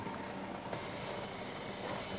tol trans sumatera